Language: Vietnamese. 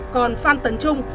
còn phan tấn trung